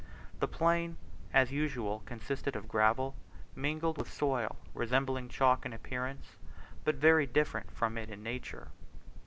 The plain as usual consisted of gravel, mingled with soil resembling chalk in appearance, but very different from it in nature.